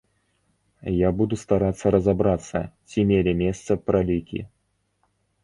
Я буду старацца разабрацца, ці мелі месца пралікі.